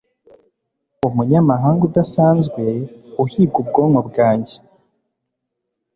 Umunyamahanga udasanzwe uhiga ubwonko bwanjye